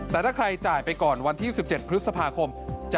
แต่ถ้าใครจ่ายไปก่อนวันที่๑๗พฤษภาคม